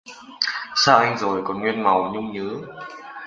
Xa anh rồi còn nguyên màu nhung nhớ